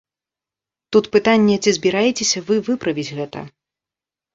Тут пытанне, ці збіраецеся вы выправіць гэта?